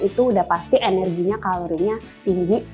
itu udah pasti energinya kalorinya tinggi